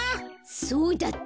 そうだった。